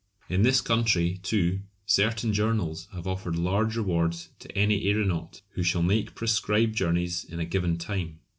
In this country, too, certain journals have offered large rewards to any aeronaut who shall make prescribed journeys in a given time.